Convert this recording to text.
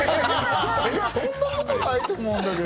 そんなことないと思うんだけど。